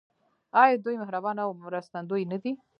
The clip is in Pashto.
آیا دوی مهربان او مرستندوی نه دي؟